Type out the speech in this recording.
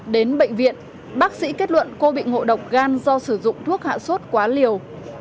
đến bệnh viện bác sĩ kết luận cô bị ngộ độc gan do sử dụng thuốc hạ sốt quá liều